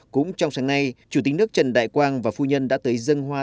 cũng trong sáng nay chủ tịch nước trần đại quang và phu nhân đã tới dân hoa